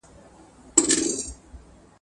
حقيقي ملي عايد د پام وړ زياتوالی موندلی و.